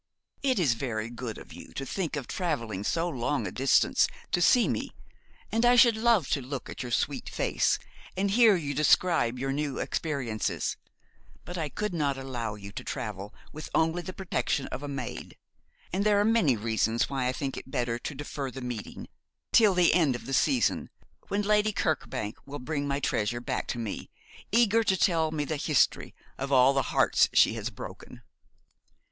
'It is very good of you to think of travelling so long a distance to see me; and I should love to look at your sweet face, and hear you describe your new experiences; but I could not allow you to travel with only the protection of a maid; and there are many reasons why I think it better to defer the meeting till the end of the season, when Lady Kirkbank will bring my treasure back to me, eager to tell me the history of all the hearts she has broken.'